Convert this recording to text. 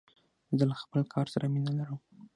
زه له خپل کار سره مینه لرم.